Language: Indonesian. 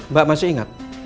mbak masih ingat